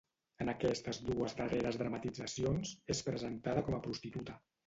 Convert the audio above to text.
En aquestes dues darreres dramatitzacions, és presentada com a prostituta.